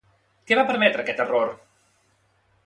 Què va permetre aquest error?